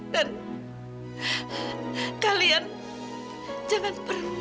dan kalian jangan perlukan